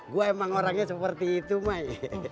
gue emang orangnya seperti itu may